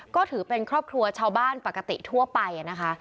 ก็ถือเป็นครอบครัวชาวบ้านปกติทั่วไปนะคะ